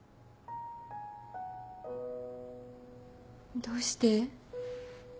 どうして？